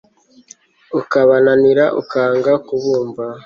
ukabananira ukanga kubumva